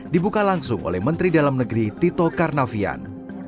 dibuka langsung oleh menteri dalam negeri tito karnavian